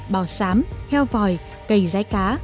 bò sám heo vòi cây rái cá